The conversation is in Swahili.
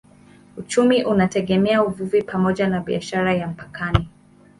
Uchumi unategemea uvuvi pamoja na biashara ya mpakani.